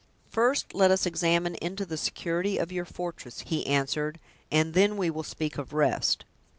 "First let us examine into the security of your fortress," he answered, "and then we will speak of rest."